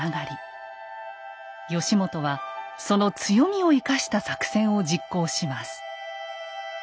義元はその強みを生かした作戦を実行します。